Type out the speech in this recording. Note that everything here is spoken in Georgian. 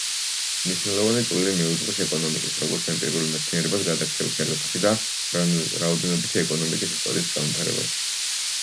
მნიშვნელოვანი წვლილი მიუძღვის ეკონომიკის, როგორც ემპირიულ მეცნიერებად გადაქცევის საკითხში და რაოდენობითი ეკონომიკური ისტორიის განვითარებაში.